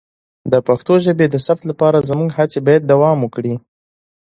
د پښتو ژبې د ثبت لپاره زموږ هڅې باید دوام وکړي.